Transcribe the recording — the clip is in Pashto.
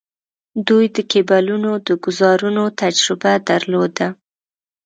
دوی د کیبلونو د ګوزارونو تجربه درلوده.